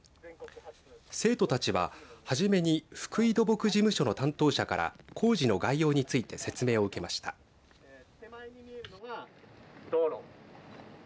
生徒たちは、はじめに福井土木事務所の担当者から工事の概要について説明を受けました。